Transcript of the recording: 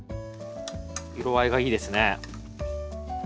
色合いがいいですね。